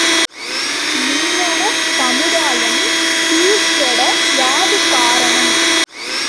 இங்ஙனம் சமுதாயம் சீர் கெட யாது காரணம்?